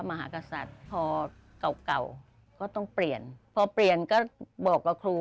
มหากษัตริย์พอเก่าเก่าก็ต้องเปลี่ยนพอเปลี่ยนก็บอกกับครู